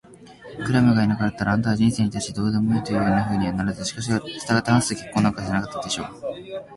クラムがいなかったら、あなたは人生に対してどうでもいいというようなふうにはならず、したがってハンスと結婚なんかしなかったでしょう。